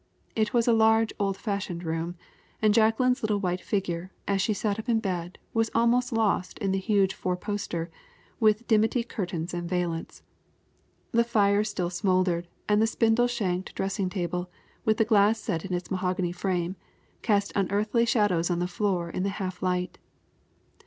It was a large, old fashioned room, and Jacqueline's little white figure, as she sat up in bed, was almost lost in the huge four poster, with dimity curtains and valance. The fire still smoldered, and the spindle shanked dressing table, with the glass set in its mahogany frame, cast unearthly shadows on the floor in the half light.